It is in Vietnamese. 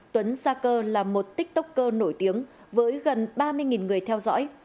tuấn sa cơ là một tiktoker nổi tiếng với gần ba mươi người theo dõi